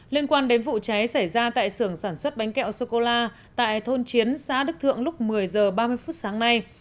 liên quan đến vụ cháy xảy ra tại sưởng sản xuất bánh kẹo sô cô la tại thôn chiến xã đức thượng lúc một mươi h ba mươi phút sáng nay